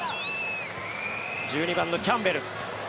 １２番のキャンベル。